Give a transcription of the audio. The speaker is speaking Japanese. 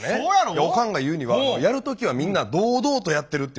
いやおかんが言うにはやる時はみんな堂々とやってるって。